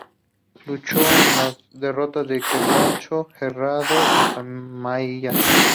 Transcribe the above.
Luchó en las derrotas de Quebracho Herrado y Famaillá.